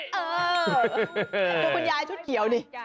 กคุณยายชุดเขียวนี่